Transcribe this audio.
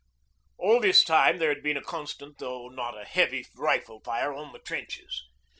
All this time there had been a constant although not a heavy rifle fire on the trenches.